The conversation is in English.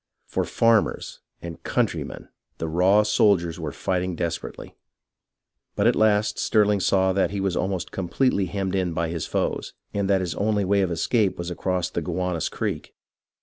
For "farmers" and "country men" the raw soldiers were fighting desperately ; but at last Stirling saw that he was almost completely hemmed in by his foes, and that his only way of escape was across the Gow anus Creek.